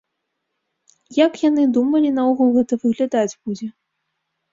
Як яны думалі наогул гэта выглядаць будзе?